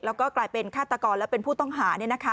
แล้วก็กลายเป็นฆาตกรและเป็นผู้ต้องหา